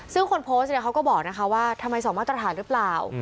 ซึ่งคนโพสต์เขาก็บอกนะคะว่าทำไม๒มาตรฐานหรือเปล่า